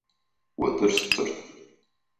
Утыр стыр.